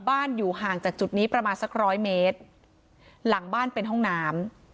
อยู่ห่างจากจุดนี้ประมาณสักร้อยเมตรหลังบ้านเป็นห้องน้ำ